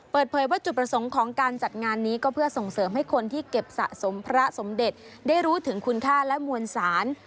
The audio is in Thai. เปิดเผยว่าจุดประสงค์ของการจัดงานนี้ก็เพื่อส่งเสริมให้คนที่เก็บสะสมพระสมเด็จได้รู้ถึงคุณค่าและมวลสาร